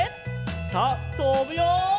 さあとぶよ！